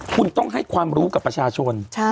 คุณต้องให้ความรู้กับประชาชน